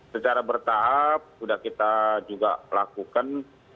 secara bertahap sudah kita juga lakukan